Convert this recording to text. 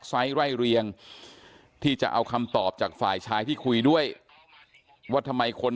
ไซส์ไล่เรียงที่จะเอาคำตอบจากฝ่ายชายที่คุยด้วยว่าทำไมคน